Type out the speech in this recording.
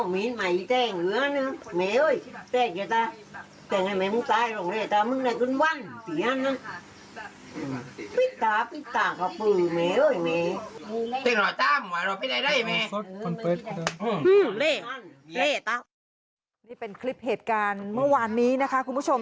มันสดมันเฟ็ดคุณผู้ชม